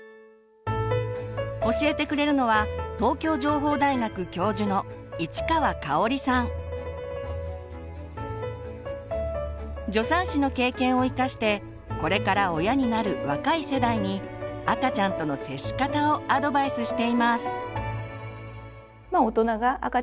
教えてくれるのは助産師の経験を生かしてこれから親になる若い世代に赤ちゃんとの接し方をアドバイスしています。